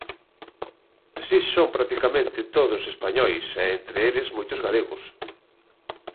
Si son practicamente todos españois e entre eles moitos galegos.